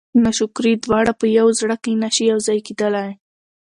ناشکري دواړه په یوه زړه کې نه شي یو ځای کېدلی.